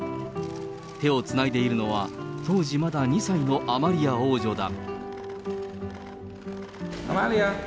手をつないでいるのは、当時まだ２歳のアマリア王女だ。